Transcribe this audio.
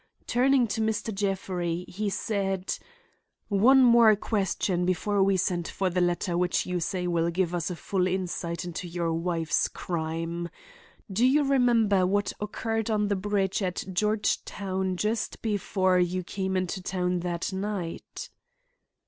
Turning to Mr. Jeffrey, he said: "One more question before we send for the letter which you say will give us full insight into your wife's crime. Do you remember what occurred on the bridge at Georgetown just before you came into town that night?"